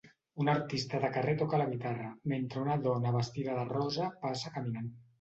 Un artista de carrer toca la guitarra mentre una dona vestida de rosa passa caminant